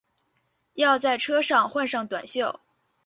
要在车上换上短袖